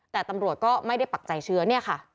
แต่ตำรวจก็ไม่ได้ปักใจเชื้อเนี่ยค่ะ